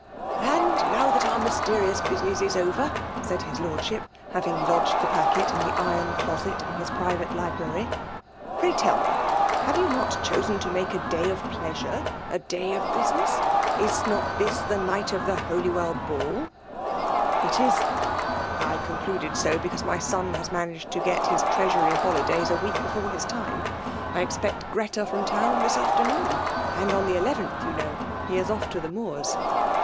*'^Anfl now that our mysterious busineiul il^c^cr,^ said his Lordship, having lodged the ]^1fet% the iron clbset in his private! ISsra* ry, " pray tell me, have you not didsen to iMdte a day of pleasure a day of business 1 Is notUds the night of the Holywell ball?' ^ 114 FEMALE DOVmATION. I concluded so, because my son has ma naged to get his Treasury holidays a week before his time. I expect Greta from town this afternoon ; and on the 11th, you know> he is off to the Moors.